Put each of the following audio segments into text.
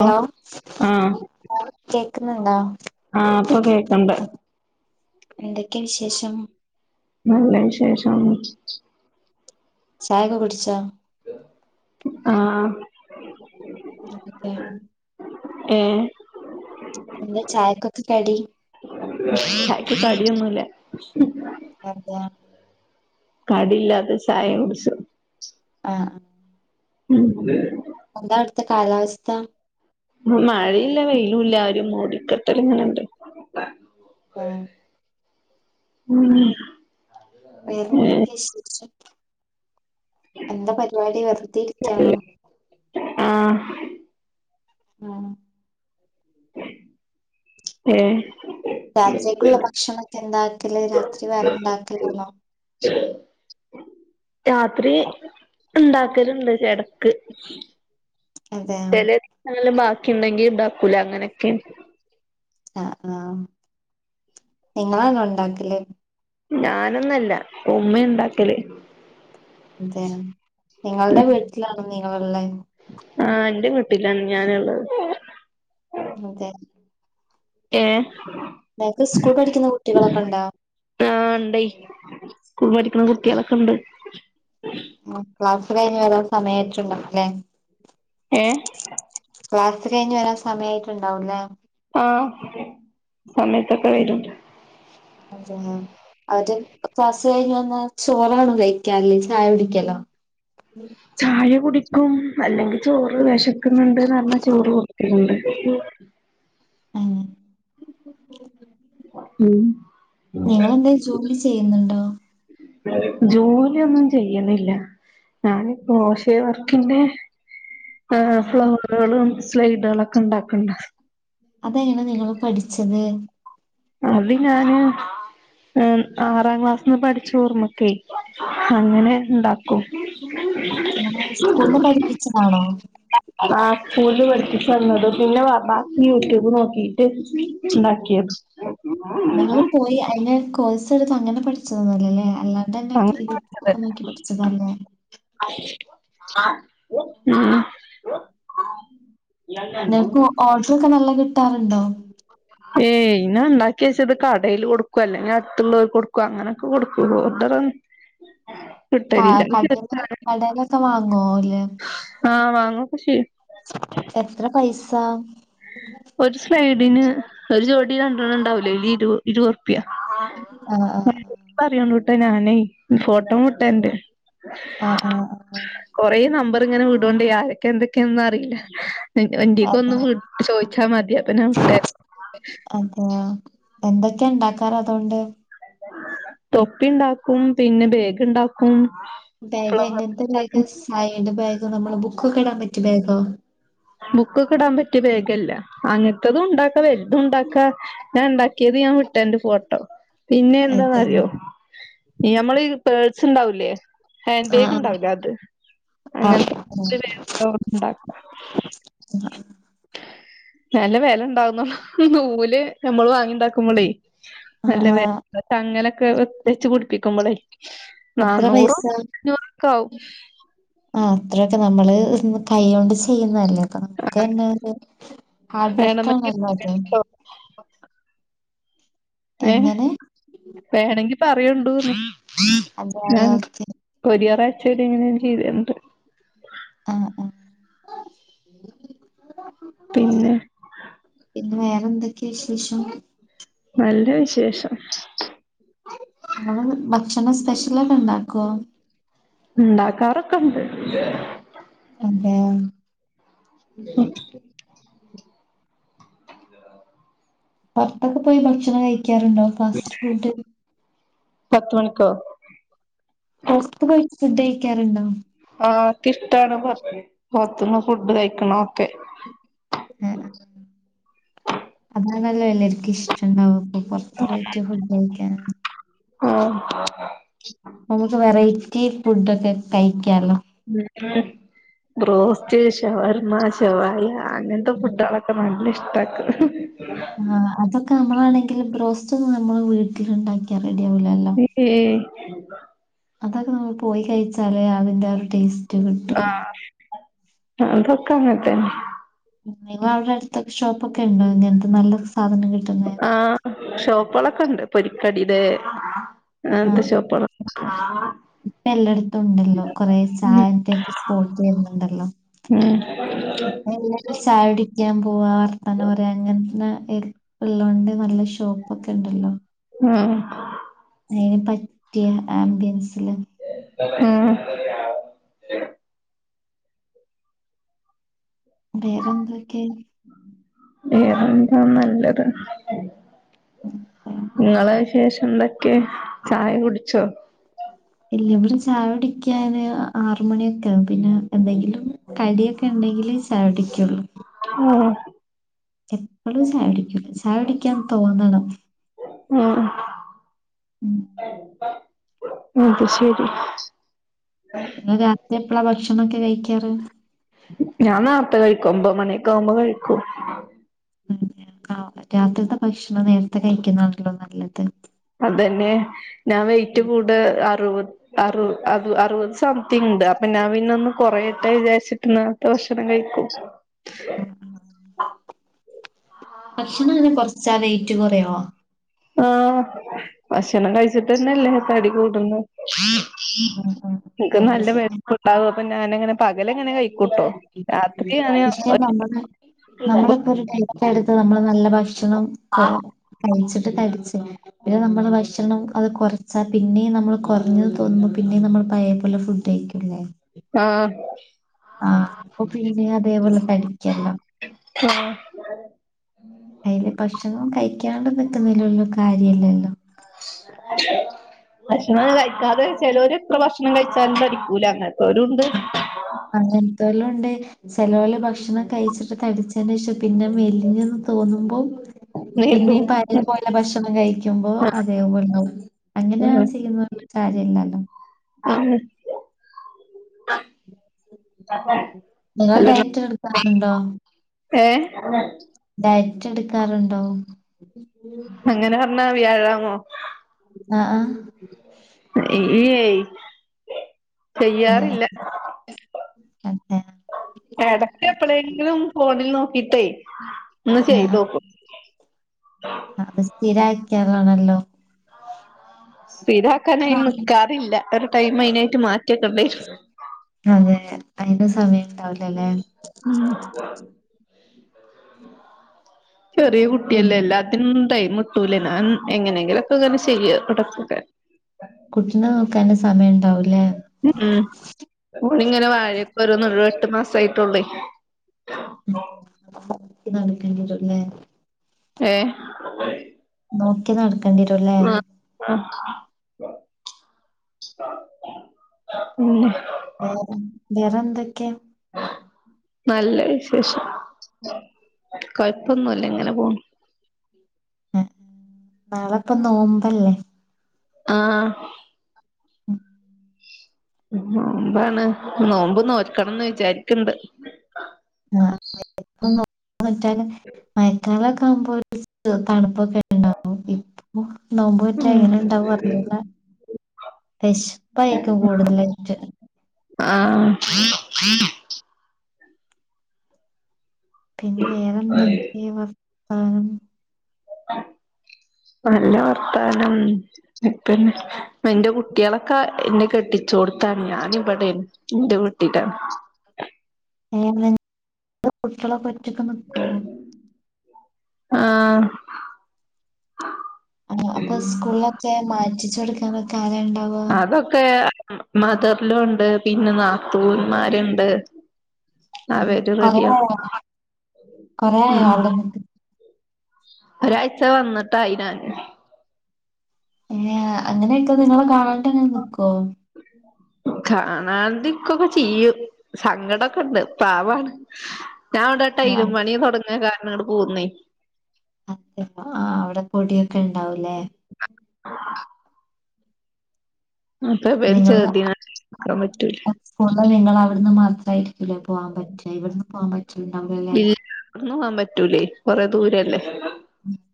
Hello കേക്കുന്നുണ്ടാ ആ ഇപ്പൊ കേക്കുണ്ട്. എന്തൊക്കെ വിശേഷം നല്ല വിശേഷം ചായയൊക്കെ കുടിച്ചാ? ആ. [unintelligible] ഏ എന്തേ ചായക്കൊക്കെ കടി ചായക്ക് കടിയെന്നു ഇല്ല അതാ കടില്ലാത്ത ചായ കുടിച്ചത് ആ ഉം എന്താ അവിടെത്തെ കാലാവസ്ഥ. മഴയില്ല വെയിലും ഇല്ല ഒരും മൂടികെട്ടലിങ്ങനെണ്ട് ആ ഉം ഏഹ് വേറെന്തൊക്കയ ശ് ഷേശം എന്താ പരിപാടി വെറുതെരിക്കാണോ? ആ ആ ഏ രാത്രിക്കുള്ള ഭക്ഷണം ഒക്കെ ഉണ്ടാക്കല് രാത്രി വേറെ ഉണ്ടാക്കില്ലന്നോ രാത്രി ഉണ്ടാക്കലണ്ട് ഇടക്ക് അതെയോ ചില ദിവസങ്ങളില് ബാക്കി ഉണ്ടെങ്കി ഉണ്ടാക്കൂല അങ്ങനൊക്കെ ആ ആ നിങ്ങളാണോ ഉണ്ടാക്കല് ഞാനൊന്നല്ല ഉമ്മ യുണ്ടാക്കല്. അതെയോ നിങ്ങളുടെ വീട്ടിലാണോ നിങ്ങളുള്ളെ ഇല്ല ഞാനിന്ന് അതെ. ഏ നിങ്ങക്ക് സ്കൂൾ പഠിക്കുന്ന കുട്ടികളൊക്കെ ഉണ്ടാ ആ ഇൻണ്ടെയ് സ്കൂളിൽ പഠിക്കണ കുട്ട്യോളൊക്കെ ഇൻണ്ട് ആ ക്ലാസ് കഴിഞ്ഞ് ഏതാണ്ട് സമയായിട്ടുണ്ടല്ലേ? ഏ, ക്ലാസ് കയിഞ്ഞ് വരാൻ സമയമായിട്ട്ണ്ടാവൂലേ? ആഹ, സമയത്തൊക്കെ വരും. അതെ. അവര് ക്ലാസ് കഴിഞ്ഞു വന്നാൽ ചോറാണോ കഴിക്ക്യ? അല്ലെങ്കി ചായ കുടിക്കലോ? ചായ കുടിക്കും. അല്ലെങ്കിൽ ചോറ് വിശക്കുന്നുണ്ട്ന്ന് പറഞ്ഞാൽ ചോറ് കൊടു ക്കലുണ്ട്, അഹ, ഉം.. നിങ്ങളെന്തേലും ജോലി ചെയ്യുന്നുണ്ടോ? ജോലിയൊന്നും ചെയ്യണില്ല. ഞാനീ കോശേ വർക്കിന്റെ ഏ ആഹ്. ഫ്ലവറുകളും സ്ലൈഡുകളൊക്കെ ഉണ്ടാക്ക്ണ്ട് അതെയ്ന്ന നിങ്ങള് പഠിച്ചത്? അത് ഞാന് ആ ആറാം ക്ലാസ്ന്ന് പഠിച്ച ഓർമ്മക്കേ അങ്ങനെ ഉണ്ടാക്കും. സ്കൂൾന്നു പഠിപ്പിച്ചതാണോ? ആ സ്കൂളിന്നു പഠിപ്പിച്ചെന്നത് പിന്നെ ബാക്കി യൂട്യൂബ് നോക്കിട്ട് ഉണ്ടാ ആക്കിയതും നിങ്ങൾ പോയി അയ്നൊരു കോഴ്സ് എടുത്ത് അങ്ങനെ പഠിച്ചതൊന്നുംഅല്ലല്ലേ? അല്ലാണ്ടെന്നേ [unintelligible] ന്നൊക്കെ നോക്കി പഠിച്ചതാല്ലേ? ആ [inaudible] നിക്ക് ഓർഡറൊക്കെ നല്ല കിട്ടാറുണ്ടോ? ഏയ് ഇങ്ങനെ ഇണ്ടാക്കി വെച്ചത് കടേൽ കൊടുക്കും അല്ലെങ്കിൽ അടുത്തുള്ളോൽക്ക് കൊടുക്കും അങ്ങനൊക്കെ കൊടുക്കുള്ളൂ ഓർഡർ [inaudible] ആ കിട്ടലില്ല കടേല് കടേലൊക്കെ വാങ്ങുവോ ഓല് ആ കൃഷി. എത്ര പൈസാ ഇതിന് ഒരു ജോടി രണ്ടെണ്ണം ഇണ്ടാവില്ലെ ലിരു ഇരു പ്യ ആഹ് ആഹ് [unintelligible] ഫോട്ടോ മൊത്തം എന്റെ ആഹ് ആഹ് നമ്പർ ഇങ്ങനെ വിടോണ്ടി ആരൊക്കെ എന്തൊക്കെയാന്നൊന്നും അറിയില്ല. എൻ എന്റീക്കൊന്നു അതെ വിട്ട് ചോദിച്ചാ മതി അപ്പപിന്നെ അതെയോ എന്തൊക്ക്യ എണ്ടാക്കാറ് അതോണ്ട് തൊപ്പി ഇണ്ടാക്കും പിന്നെ ബേഗിണ്ടാക്കും. ബാഗ് എങ്ങനത്തെ ബാഗ് സ്മൈലിടെ ബാഗോ നമ്മള് ബുക്കൊക്കെ ഇടാൻ പറ്റിയ ബാഗോ ബുക്കൊക്കെ ഇടാൻ പറ്റിയ ബാഗ് അല്ല. അങ്ങനത്തതും ഉണ്ടാ ക്കാ വെല്തും ഇണ്ടാക്കാ ഞാൻ ഇണ്ടാക്കിയത് ഞാൻ വിട്ടെണ്ട് ഫോട്ടോ പിന്നെ അതെ എന്താന്നറിയോ ഞമ്മളീ പേഴ്സ് ഇണ്ടാവൂലേ ഹാൻഡ് ബാഗ് ആഹ് ഇണ്ടാവില്ലേ അത് ആഹ് അങ്ങനത്ത [unintelligible] നല്ല വെല എണ്ടാവുന്നു നൂല് നമ്മള് വാങ്ങി ഇണ്ടാക്കുമ്പളെ ആഹ് നല്ല വെ ആഹ് [unintelligible] തങ്ങലൊക്കെ വെ വെച്ച് പിടിപ്പിക്കുമ്പളേ. എത്ര നാന്നൂറും പൈസ? അഞ്ഞൂറൊക്കാവും അത്രൊക്കെ നമ്മള് കയ്യോണ്ട് ചെയ്യുന്നല്ലെ നമുക്കന്നത് ഹാർഡ് വേണമെങ്കിൽ വർക്കാണല്ലോ അത് പറയണ്ടോ, ഏഹ് എങ്ങനെ? വേണെങ്കി പറയുണ്ടൂന്ന് അതെ ഞാൻ ഓക്കെ കൊരിയർ [unintelligible] ചെയ്തരണ്ട് ആഹ് അഹ് പിന്നെ വേറൊന്തൊക്കെയാ വിശേഷം നല്ല വിശേഷം. [unintelligible] ഭക്ഷണം സ്പെഷ്യലൊക്കെ ഇണ്ടാക്കോ? ഇണ്ടാക്കാറൊക്കെണ്ട്. അതെ. പൊറത്തൊക്കെ പോയി ഭക്ഷണം കഴിക്കാറുണ്ടോ ഫാസ്റ്റ് ഫുഡ്? പത്ത് മണിക്കോ? പുറത്ത് പോയി ഫുഡ് കഴിക്കാറുണ്ടോ? ആഹ് ഇക്കിഷ്ടാണ് [inaudible] പൊറത്തുന്ന് ഫുഡ് കഴിക്കണോ ഉം ഉം അതാണല്ലോ എല്ലാരിക്കും ഇഷ്ടുണ്ടാവാപ്പൊ. പുറത്ത് പോയിട്ട് ഫുഡ് കഴിക്കാന് പ്പ നമുക്ക് വെറൈ റ്റി ഫുഡൊക്കെ കഴി ഉം ബ്രോസ്റ്റ്, ഷവർമ, ഷവായ, അങ്ങനത്തെ ഫുഡുകളൊക്കെ നല്ല ഇഷ്ടാക്കും. ആഹ് അതൊക്കെ നമ്മളാണെങ്കിൽ ബ്രോസ്റ്റ് ഒന്ന് നമ്മള് വീട്ടിൽ ഉണ്ടാക്കിറ ഏയ്. അതൊക്കെ നമ്മൾ പോയി കഴിച്ചാലേ അതിന്റെ ആ ഒരു ടേസ്റ്റ് കിട്ടുള്ളു. ആഹ് അതൊക്കെങ്ങനെത്തന്നെ. നിങ്ങവിടെ അടുത്തൊക്കെ ഷോപ്പൊക്കെണ്ടോ ഇങ്ങനെത്തെ നല്ല സാധനം കിട്ടുന്നേ? ഷോപ്പുകളൊക്കെണ്ട് പൊരിക്കടീടെ അങ്ങനെത്തെ ഷോപ്പുകളുണ്ട്. ഇപ്പെല്ലാടിത്തും ഉണ്ടല്ലോ കൊറെ ചായന്റൊക്കെ സ്പോർട്ട് വരുന്നുണ്ടല്ലോ. ഉം ഇപ്പെല്ലാരും ചായ കുടിക്കാൻ പോവാ വർത്താനം പറയാ അങ്ങനത്തെ തിരക്കുള്ളകൊണ്ട് നല്ല ഷോപ്പൊക്കെണ്ടല്ലോ. ആഹ് അതിന് പറ്റിയ ആംബിയൻസില്. ആഹ്. വേറെന്തൊക്കെ? വേറെന്താ നല്ലത് ഉം പറയാം. നിങ്ങളെ ശേഷം എന്തക്കെ ചായ കുടിച്ചോ? ഇല്ലവിടെ ചായ കുടിക്കാന് ആറുമണിയൊക്കാവും പിന്നെ എന്തെങ്കിലും കടിയൊക്കെ ഇണ്ടങ്കില് ചായടിക്കുള്ളൂ ആഹ [unintelligible] എപ്പോഴും ചെയ്യുടിക്കും ചെയ്യുഡീക്കാൻ തോന്നണം ഉം അത ശരി ങ്ങൾ രാത് എപ്പളാ ഭക്ഷണൊക്കെ കഴിക്കാറ് ഞാൻ നാർത്ത കഴിക്കും ഒമ്പ മണിയക്കെ ആവുമ്പോ കഴിക്കും ആ രാത്രിത്തെ ഭക്ഷണം നേരത്തെ കഴിക്കുന്നാണല്ലോ നല്ലത് അതന്നെ ഞാൻ വയിറ്റ് കൂട് അറുപത്റ അ അറുപത് സംതിങ് ഉണ്ട് അപ്പൊ ഞാൻ പിന്നെ ഒന്ന് കൊറ ഇട്ട വിചാരിച്ചിട്ട ഭക്ഷണം കഴിക്കും ഭക്ഷണം അങ്ങനെ കൊറച്ചാ വയറ്റ് കുറോ ആഹ ഭക്ഷണം കഴിച്ചിട്ട്ന്നല്ലേ തടി കൂടുന്നു ഉം ഉം എ അത് നല്ല ശരിയാ വളപ്പുണ്ടാാവും അപ്പൊ ഞാനങ്ങനെ പകലങ്ങനെ കഴിക്ക കട്ടോ രാത്രി അന നമ്മളിപ്പോൊ ഒരു ഡൈറ്റ് എടുത്ത് നമ്മള് നല്ല ഭക്ഷണം കൊ കഴിച്ചിട്ട കഴ ഇ നമ്മള് ഭക്ഷണം അത് കുറച്ചാ പിന്നെയും നമ്മൾ കുറഞ്ഞത് തോന്നുമ്പ പിന്നേും നമ്മൾ പയ പോല ഫുഡ് കഴിക്കുംല്ലേ ആഹ ആഹ അപ്പൊ പിന്നെ അതേപോലെ തടിക്കല്ലാം ആഹ് അയ്ൽ ഭക്ഷണം കഴിക്കാണ്ട നിക്കുന്നെലൊന്നും കാര്യല്ലല്ലോ [inaudible] ഭക്ഷണം കഴിക്കാതെ ചിലവർ ഇത്ര ഭക്ഷണം കഴിച്ചാലും തഠിക്കൂല അങ്ങെ ആ അങ്ങനത്തെല്ലാം ഉണ്ട് ചെലവല ഭക്ഷണം കഴിച്ചിട്ട് തടിച്ചേേഷം പിന്നെ മെല്ലിഞ്ഞന്ന് തോന്നുമ്പോൾ പിന്നെ നീണ്ടും പരി പോലെ ഭക്ഷണം കഴിക്കുമ്പോ അതേപള്ളു അങ്ങനെയ ആഹ് ചെയ്യുന്ന കാര്യ ഇല്ലല്ലോ ആ നിങ്ങൾ ഡയറ്റർ എടുക്കാറുണ്ടോ ഏ െടുക്കാറുണ്ടോ അങ്ങനെ പറഞ്ഞാ വ്യാഴാമോ ആഹ് ആഹ്. [inaudible] ആഹ ചെയ്യാറില്ല അ ഇടക്ക എപ്പഴെങ്കിലും ഫോണിൽ നോക്കിട്ടേ ഒന്ന് ആ ചെയ്തോക്കും അത് സ്ഥിര ആക്കാുള്ളാണല്ലോ ആ, സ്ഥിരയ്ക്കാനായൻ നിക്കാറില്ല ഒരു ടൈം അയി മാറ്റിയക്ക ഉണ്ട അയിന്റെ സമയം ഉണ്ടാവലല്ലേ ചെറിയ കുട്ടിയല്ലേല്ല പിന്നെ എല്ലാത്തിനൊന്നും ടെ ട്ടൂലെ ഞൻ എങ്ങനെങ്കിലൊക്കെ അങ്ങനെ ചെയ്യുക തുടക്കക്ക കുട്ടിനെ നോക്കാനും സമയം ഉണ്ടാവില്ലേ ഉം ഓണ ഇങ്ങനെ വാഴയൊക്കെോന്ന എട്ട് മാസായിട്ടുള്ളേ നടക്കണ്ടിട്ടല്ലേ ഏ നോക്കി നടക്കണ്ടിരൂല്ലേ ഉം വേറെ വേറെന്തൊക്കെയാ? നല്ല വിശേഷം കൊഴപ്പൊന്നുമല്ല എങ്ങനെ പോണ് നാളെ ഇപ്പൊ നോമ്പല്ലേ ആഹ ഉം നോമ്പാണ് നോമ്പ്നോക്കണംന്ന് വിചാരിക്ക്ണ്ട് ആ [unintelligible] മയക്കാല [unintelligible] തണുപ്പൊക്കെ ഉണ്ടാവും ഇപ്പൊ നോമ്പോറ്റ ഉം എങ്ങനെ ഇണ്ടാവാറിഞ്ഞുടാ. വിഷപ്പായിക്കും കൂടുതലായിട്ട്. ആഹ് പിന്നെ വേറെന്തൊക്കെയ വർത്താനം? നല്ല വർത്താനം. പിന്നെ എന്റെ കുട്ടികളൊക്കെ എന്നെ കെട്ടി ചോടത്താന ആകേ [unintelligible] [inaudible] ഏ കുട്ടികളൊക്കെ ഒറ്റക്കെ നിക്കുവോ? ആഹ്. ആ അപ്പൊ സ്കൂളിലൊക്കെ മാറ്റിച്ചു കൊടുക്കാനൊക്കെ ആരാ ഉണ്ടാവുക അതൊക്കെ മദർലോ ഉണ്ട് പിന്നെ നാത്തൂന്മാരുണ്ട്. ആവര് കൊറേ റെഡിയ ആയോ [unintelligible] കൊറേ ആയോ ഉം. അവിടെ നിക്ക് ഒരാഴ്ച വന്നിട്ടായി ഞാന്. ഏ അങ്ങനെയൊക്കെ നിങ്ങളെ കാണാണ്ടങ്ങനെ നിക്കുവോ? കാണാതിക്കൊക്കെ ചെയ്യും. സങ്കടൊക്കെണ്ട് പാവാണ് ഞാൻ ആ ഇവിടൊട്ടായിയിലും പണിയ തുടങ്ങാൻ കാരണം ഇങ്ങടെ പോകുന്നേ. അതെ ആ അവിടെ പൊടിയൊക്കെ ഉണ്ടാവൂലേ. [unintelligible] അപ്പൊ ഇവൻ നിങ്ങള് ചെറുതിനെ നോക്കാൻ പറ്റൂല നിങ്ങ അവിടുന്ന് മാത്ര ആയിരിക്കില്ലേ പോകാൻ പറ്റ ഇവിടന്ന് പോകാൻ പറ്റുണ്ടാവില്ലല്ലേ ഇല്ല നടന്ന് പോവാൻ പറ്റൂലേ കൊറെ ദൂരല്ലേ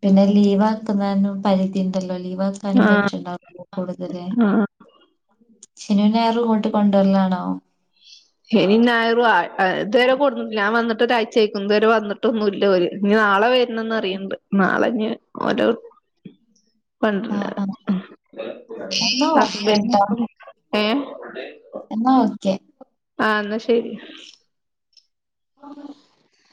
പിന്നെ ലീവ് ആക്കുന്നും പരിധീണ്ടല്ലോ ലീവക്കാനും ആഹ് പറ്റുണ്ടാവില്ല. കൂടുതല് ആഹ് ശനിയും ഞായറും ഇങ്ങോട്ട് കൊണ്ടുവരൽ ആണോ? ശനിയും ഞായറും അ ഇത്രേര കൊണ്ട് വന്നിട്ട് ഇ ഞാൻ വന്നി ഒരാഴ്ചയിരിക്കും ഇതുവരെ വന്നിട്ടൊന്നും ഇല്ല ഓരു ഇനി നാളെ വരണന്ന് പറിയണ്ട് നാളെ ഇനി [inaudible] ആഹ് എന്നാ [unintelligible] എന്ന ഓക്കെ ആ എന്നാ ശരി [inaudible]